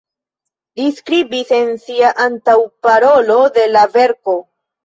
Li skribis en sia antaŭparolo de la verko.